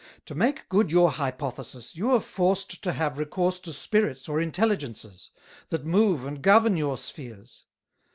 To make good your Hypothesis, you are forced to have recourse to Spirits or Intelligences, that move and govern your Spheres.